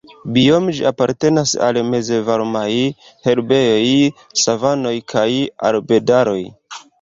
Biome ĝi apartenas al Mezvarmaj herbejoj, savanoj kaj arbedaroj.